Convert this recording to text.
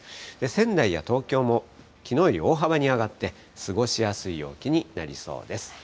仙台や東京も、きのうより大幅に上がって、過ごしやすい陽気になりそうです。